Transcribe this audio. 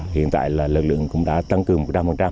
hiện tại là lực lượng cũng đã tăng cường một trăm linh